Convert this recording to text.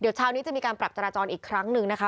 เดี๋ยวเช้านี้จะมีการปรับจราจรอีกครั้งหนึ่งนะคะ